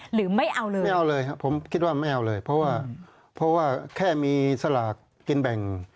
หรือไม่เอาเลยไม่เอาเลยครับผมคิดว่าไม่เอาเลยเพราะว่าเพราะว่าแค่มีสลากกินแบ่ง